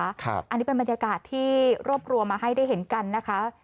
อันนี้เป็นบรรยากาศที่รวบรวมมาให้ได้เห็นกันนะคะ